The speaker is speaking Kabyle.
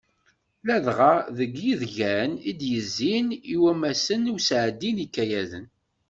Ladɣa deg yidgan i d-yezzin i wammasen n usɛeddi n yikayaden.